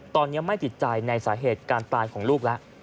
ตอนนี้ไม่ติดใจในสาเหตุการตายของลูกแล้ว